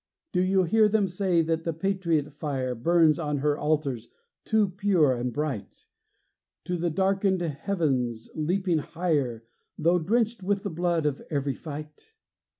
Do you hear them say that the patriot fire Burns on her altars too pure and bright, To the darkened heavens leaping higher, Though drenched with the blood of every fight?